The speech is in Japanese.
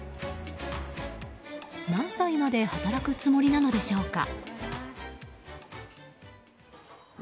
何歳まで働くつもりなのでしょうか。